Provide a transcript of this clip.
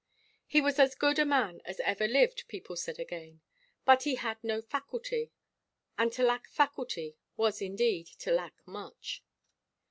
"He was as good a man as ever lived," people said again, "but he had no faculty." And to lack "faculty" was, indeed, to lack much.